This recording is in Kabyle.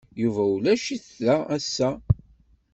Yuba ulac-it da ass-a.